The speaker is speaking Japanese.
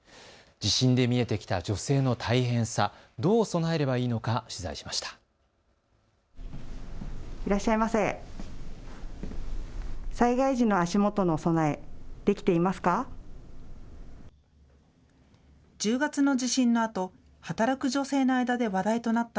地震で見えてきた女性の大変さ、どう備えればいいのか取材しました。